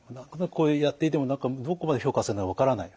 こうやっていても何かどこまで評価されるのか分からない。